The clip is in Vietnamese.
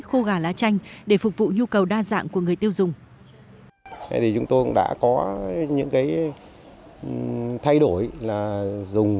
khô gà lá chanh để phục vụ nhu cầu đa dạng của người tiêu dùng